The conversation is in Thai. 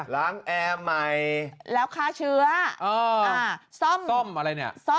ล้างแอร์ใหม่แล้วฆ่าเชื้ออ๋ออ่าซ่อมซ่อมอะไรเนี้ยซ่อมอ่า